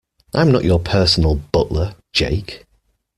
I'm not your personal butler, Jake.